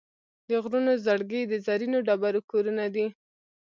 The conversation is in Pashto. د غرونو زړګي د زرینو ډبرو کورونه دي.